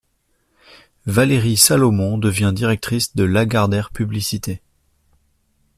Valérie Salomon devient directrice de Lagardère Publicité.